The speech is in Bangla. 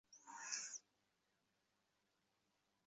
এ সংবাদ রাষ্ট্র হইলে সমস্ত বঙ্গদেশ আপনার বিরোধী হইবে।